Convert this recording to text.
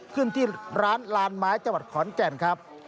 ขึ้นที่ร้านลานไม้จังหวัดขอนแก่นครับ